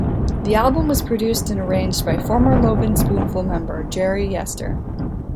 The album was produced and arranged by former Lovin' Spoonful member Jerry Yester.